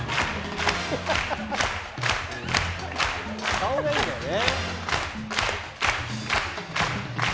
顔がいいんだよね。